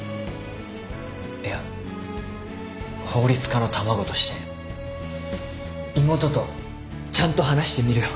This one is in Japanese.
いや法律家の卵として妹とちゃんと話してみるよ。